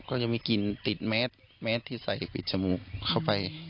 ก็จะมีกลิ่นติดแมสแมสที่ใส่ปิดจมูกเข้าไป